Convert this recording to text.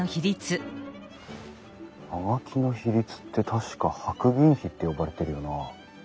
葉書の比率って確か白銀比って呼ばれてるよなあ。